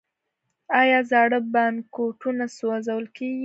آیا زاړه بانکنوټونه سوځول کیږي؟